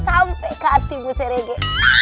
sampai ke hati bu serege